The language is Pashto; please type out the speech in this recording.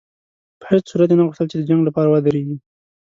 په هېڅ صورت یې نه غوښتل چې د جنګ لپاره ودرېږي.